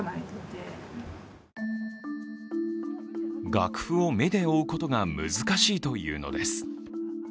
楽譜を目で追うことが難しいというのです。